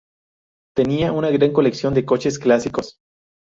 Tenía una gran colección de coches clásicos.